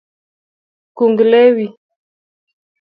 Kung lewi.